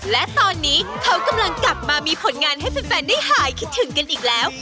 และตอนนี้เขากำลังกลับมามีผลงานให้แฟนได้หายคิดถึงกันอีกแล้ว